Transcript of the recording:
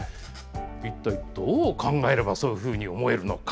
一体、どう考えれば、そういうふうに思えるのか。